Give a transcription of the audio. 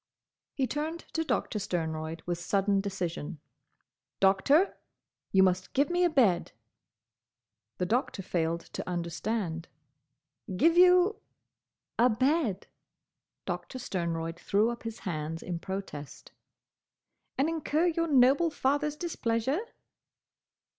He turned to Doctor Sternroyd with sudden decision. "Doctor! You must give me a bed." The Doctor failed to understand. "Give you—?" "A bed." Doctor Sternroyd threw up his hands in protest. "And incur your noble father's displeasure?"